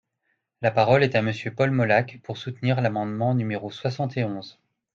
La parole est à Monsieur Paul Molac, pour soutenir l’amendement numéro soixante et onze.